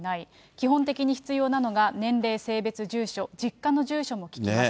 基本的に必要なのが年齢、性別、住所、実家の住所も聞きます。